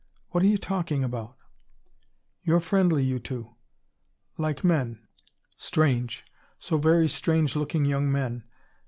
"What are you talking about?" "You're friendly, you two. Like men; strange, so very strange looking young men.